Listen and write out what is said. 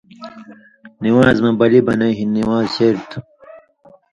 نِوان٘ز مہ بلی بنَیں ہِن نِوان٘ز شریۡ تھُو۔